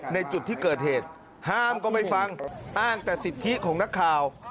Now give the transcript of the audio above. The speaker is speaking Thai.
ในจุดที่เกิดเหตุห้ามก็ไม่ฟังอ้างแต่สิทธิของนักข่าว